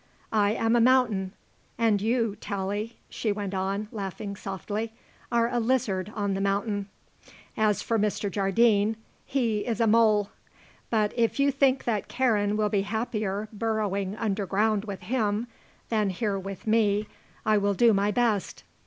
_ I am a mountain, and you, Tallie," she went on, laughing softly, "are a lizard on the mountain. As for Mr. Jardine, he is a mole. But if you think that Karen will be happier burrowing underground with him than here with me, I will do my best.